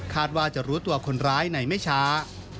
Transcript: ว่าจะรู้ตัวคนร้ายในไม่ช้า